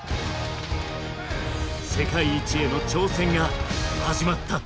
世界一への挑戦が始まった。